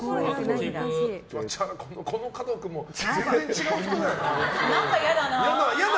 この加藤君も全然違う人だよな。